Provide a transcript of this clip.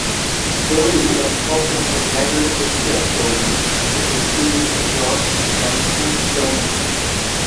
Stoney war die Tochter von Margaret Sophia Stoney und dem Physiker George Johnstone Stoney.